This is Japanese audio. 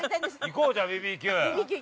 ◆行こう、じゃあ、ＢＢＱ。